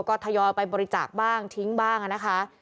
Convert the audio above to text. ก็ทยอยไปบริจาคบ้างทิ้งบ้างนะคะ